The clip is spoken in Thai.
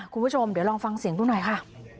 คุณผู้ชมเดี๋ยวลองฟังเสียงดูหน่อยค่ะ